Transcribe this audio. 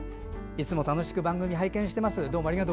いつも楽しく番組拝見しています。